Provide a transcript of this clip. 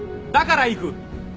だから行く。